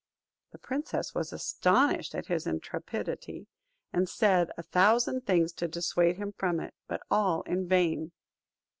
The princess was astonished at his intrepidity, and said a thousand things to dissuade him from it, but all in vain.